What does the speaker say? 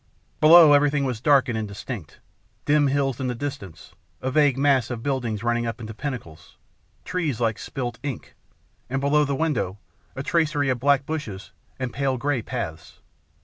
Below, everything was dark and indistinct, dim hills in the distance, a vague mass of buildings running up into pinnacles, trees like spilt ink, and below the window a tracery of black bushes and pale grey paths.